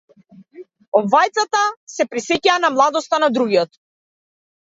Обајцата се присеќаваа на младоста на другиот.